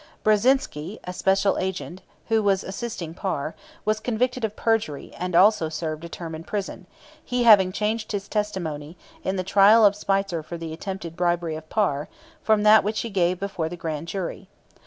Brzezinski, a special agent, who was assisting Parr, was convicted of perjury and also served a term in prison, he having changed his testimony, in the trial of Spitzer for the attempted bribery of Parr, from that which he gave before the Grand Jury.